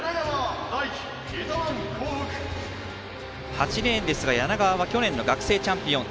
８レーンですが柳川は去年の学生チャンピオン。